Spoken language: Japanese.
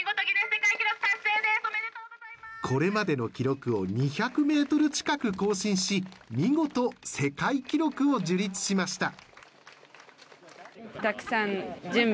これまでの記録を２００ｍ近く更新し、見事、世界記録を樹立しました。